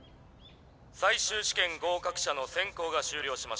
最終試験合格者の選考が終了しました。